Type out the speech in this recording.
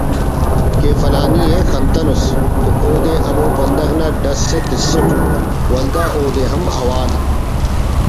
کہ فلانی ءِ خنتنس تو اودے ہمو بندغ نا ڈسءِ تسُٹ ولدا اودے ہم حوال